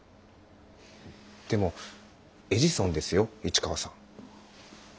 でもエジソンですよ市川さん。